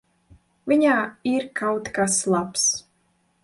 Viņā ir kaut kas labs.